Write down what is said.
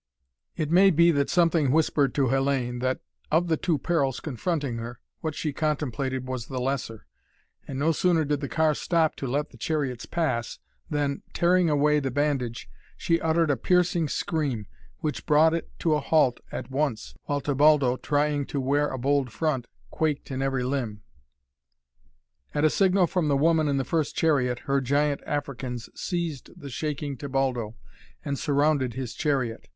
It may be that something whispered to Hellayne that, of the two perils confronting her, what she contemplated was the lesser, and no sooner did the car stop to let the chariots pass, than, tearing away the bandage, she uttered a piercing scream, which brought it to a halt at once, while Tebaldo, trying to wear a bold front, quaked in every limb. At a signal from the woman in the first chariot her giant Africans seized the shaking Tebaldo and surrounded his chariot.